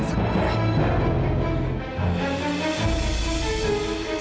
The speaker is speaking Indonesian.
mas tunggu mas